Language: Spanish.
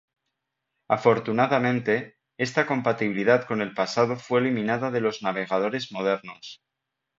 Afortunadamente, esta compatibilidad con el pasado fue eliminada de los navegadores modernos.